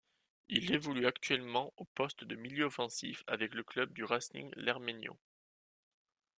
Il évolue actuellement au poste de milieu offensif avec le club du Racing Lermeño.